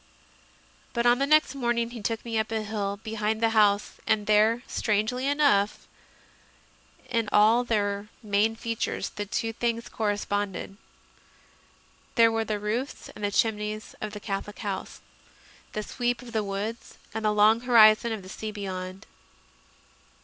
But on the next morning he took me up a hill behind the house, and there, strangely enough, in all their main features the two things corresponded. There were the roofs and chimneys of the Catholic house, the sweep of the woods, and the long horizon of the sea beyond.